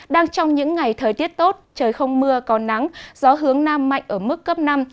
đang trong những ngày thời tiết tốt trời không mưa có nắng gió hướng nam mạnh ở mức cấp năm